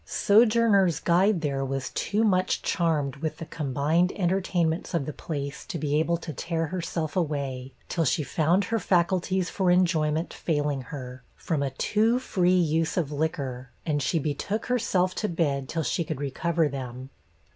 Sojourner's guide there was too much charmed with the combined entertainments of the place to be able to tear herself away, till she found her faculties for enjoyment failing her, from a too free use of liquor; and she betook herself to bed till she could recover them.